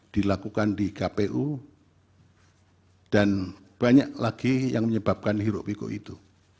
dilakukan di kpu dan banyak lagi yang menyebabkan hiruk pikuk itu